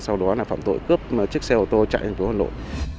sau đó là phạm tội cướp chiếc xe ô tô chạy đến chỗ hà nội